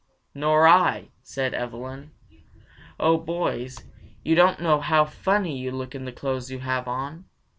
"Nor I!" said Evelyn. "Oh, boys, you don't know how funny you look in the clothes you have on!"